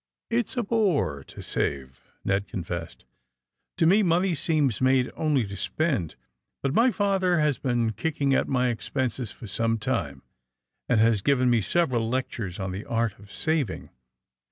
'' *'It's a bore to save," Ned confessed. To me money seems made only to spend. Bnt my father has been kicking at my expenses for some time, and has given me several lectures on the art of saving.